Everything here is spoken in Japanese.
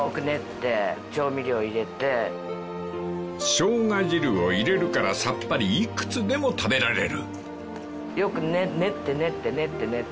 ［ショウガ汁を入れるからさっぱりいくつでも食べられる］